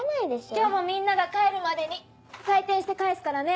今日もみんなが帰るまでに採点して返すからね。